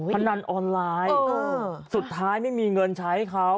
พนันออนไลน์สุดท้ายไม่มีเงินใช้ให้เขา